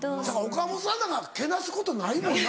岡本さんなんかけなすことないもんな。